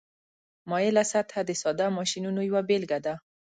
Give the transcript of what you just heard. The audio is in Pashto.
مایله سطحه د ساده ماشینونو یوه بیلګه ده.